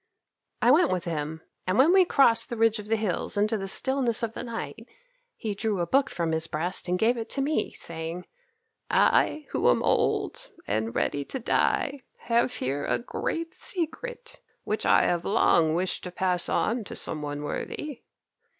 "I went with him, and when we crossed the ridge of the hills into the stillness of the night he drew a book from his breast and gave it to me, saying, 'I, who am old and ready to die, have here a great secret, which I have long wished to pass on to some one worthy.